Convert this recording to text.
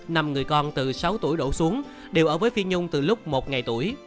năm người con từ sáu tuổi đổ xuống đều ở với phi nhung từ lúc một ngày tuổi